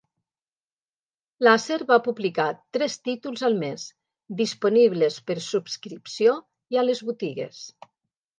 Laser va publicar tres títols al mes, disponibles per subscripció i a les botigues.